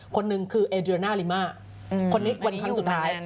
คนนึงคือเอดเรน่าริม่าคนนี้วันครั้งสุดท้าย